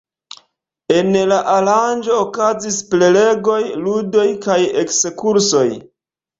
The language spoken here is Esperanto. En la aranĝo okazis prelegoj, ludoj kaj ekskursoj.